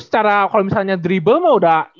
secara kalau misalnya drible mah udah